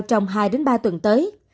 trong hai ba tuần tới